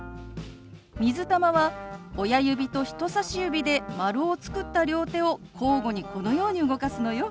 「水玉」は親指と人さし指で丸を作った両手を交互にこのように動かすのよ。